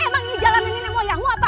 emang ini jalan ini nemo yang mau apa